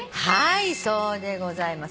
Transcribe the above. そうでございます。